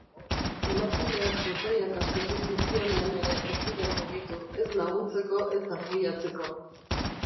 Emakumeak botoiak askatu zizkionean ere ez ziren mugitu, ez laguntzeko ez arbuiatzeko.